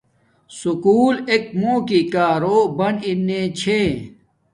سکُول ایک موں کی کارو بن ارنے چھے